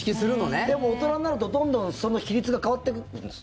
でも、大人になるとどんどんその比率が変わっていくんです。